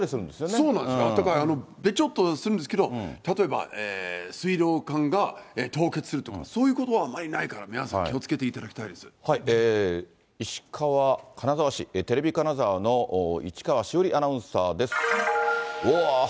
そうなんですよ、べちょっとはするんですけど、例えば水道管が凍結するとか、そういうことはあんまりないから、皆さん、気をつけていただきたいで石川・金沢市、テレビ金沢のいちかわしおりアナウンサーです。